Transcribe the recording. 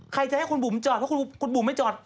ใครจะให้คุณบุ๋มจอดเพราะคุณบุ๋มไม่จอด